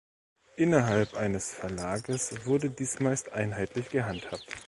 Innerhalb eines Verlages wurde dies meist einheitlich gehandhabt.